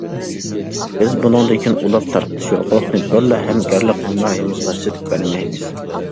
بىز بۇنىڭدىن كېيىن ئۇلاپ تارقىتىش ھوقۇقىنى بىرلا ھەمكارلىق ھەمراھىمىزغا سېتىپ بەرمەيمىز.